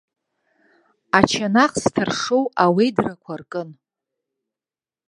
Ачанах зҭыршоу ауедрақәа ркын.